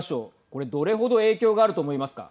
これ、どれほど影響があると思いますか。